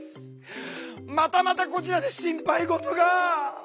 またまたこちらで心配事が。